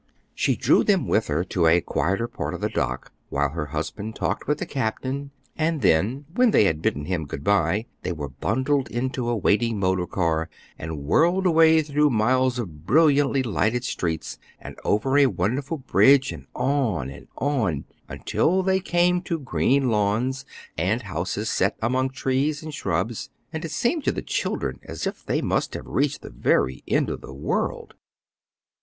She drew them with her to a quieter part of the dock, while her husband talked with the captain, and then, when they had bidden him good bye, they were bundled into a waiting motor car and whirled away through miles of brilliantly lighted streets and over a wonderful bridge, and on and on, until they came to green lawns, and houses set among trees and shrubs, and it seemed to the children as if they must have reached the very end of the world.